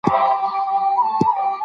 خپل وخت په بې ځایه تصوراتو مه تېروه.